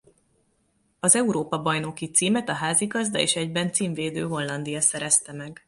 Az Európa-bajnoki címet a házigazda és egyben címvédő Hollandia szerezte meg.